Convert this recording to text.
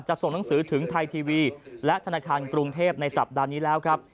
ส่งหนังสือถึงไทยทีวีและธนาคารกรุงเทพในสัปดาห์นี้แล้วครับ